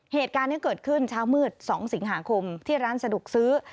เหตุการณ์นี้เกิดขึ้นเช้ามืด๒สิงหาคมที่ร้านสะดวกซื้อ